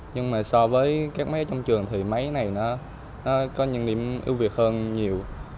nhưng mà so với các máy trong trường thì máy này nó có những niềm ưu việt hơn nhiều